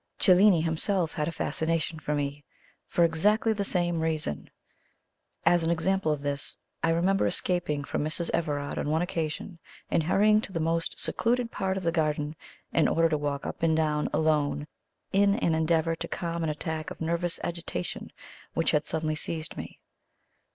Cellini himself had a fascination for me, for exactly the same reason. As an example of this, I remember escaping from Mrs. Everard on one occasion, and hurrying to the most secluded part of the garden, in order to walk up and down alone in an endeavour to calm an attack of nervous agitation which had suddenly seized me.